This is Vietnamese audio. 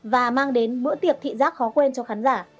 và mang đến bữa tiệc thị giác khó quên cho khán giả